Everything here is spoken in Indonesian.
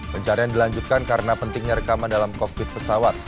pencarian dilanjutkan karena pentingnya rekaman dalam kokpit pesawat